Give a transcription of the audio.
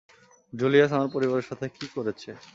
Julius আমার পরিবারের সাথে কি করেছে?